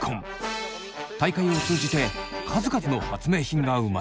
大会を通じて数々の発明品が生まれてきました。